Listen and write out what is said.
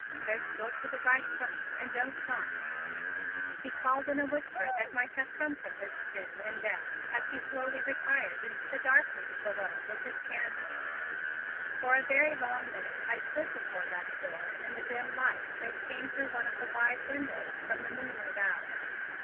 "First door to the right, front, and don't knock," he called in a whisper that might have come from his tomb in death as he slowly retired into the darkness below with his candle. For a very long minute I stood before that door in the dim light that came through one of the wide windows from the moon without.